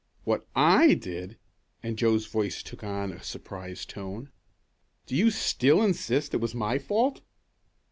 "What I did?" and Joe's voice took on a surprised tone. "Do you still insist it was my fault?"